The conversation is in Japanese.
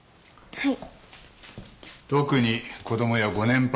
はい。